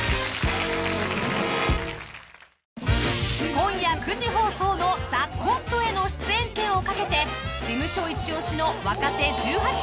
［今夜９時放送の『ＴＨＥＣＯＮＴＥ』への出演権を懸けて事務所一押しの］